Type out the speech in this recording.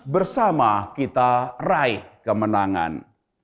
bersama kita raih kemenangan